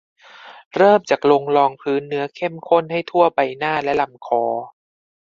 เริ่มจากลงรองพื้นเนื้อเข้มข้นให้ทั่วใบหน้า และลำคอ